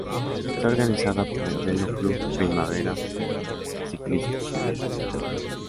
Está organizada por el Velo Club Primavera Ciclística.